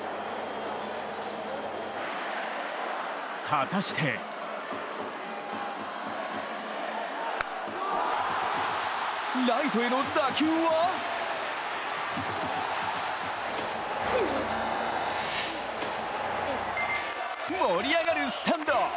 果たしてライトへの打球は盛り上がるスタンド！